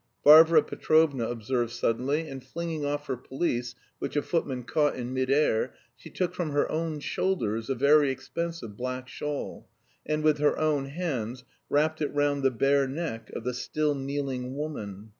Varvara Petrovna observed suddenly, and flinging off her pelisse which a footman caught in mid air, she took from her own shoulders a very expensive black shawl, and with her own hands wrapped it round the bare neck of the still kneeling woman.